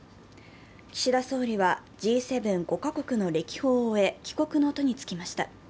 岸田総理はＧ７・５か国の歴訪を終え、帰国の途につきました。